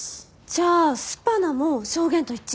じゃあスパナも証言と一致。